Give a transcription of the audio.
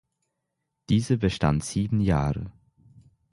Diese bestand sieben Jahre.